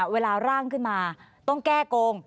ร่างขึ้นมาต้องแก้โกง